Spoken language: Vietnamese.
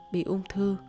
bị ung thư